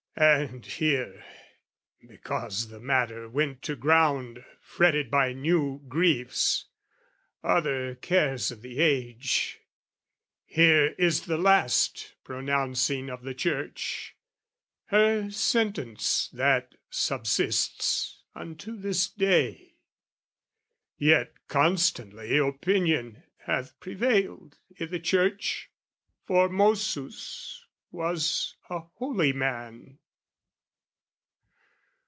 "And here, because the matter went to ground, "Fretted by new griefs, other cares of the age, "Here is the last pronouncing of the Church, "Her sentence that subsists unto this day. "Yet constantly opinion hath prevailed "I' the Church, Formosus was a holy man."